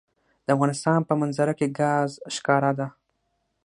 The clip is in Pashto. د افغانستان په منظره کې ګاز ښکاره ده.